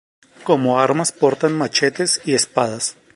Como armas portan machetes y espadas.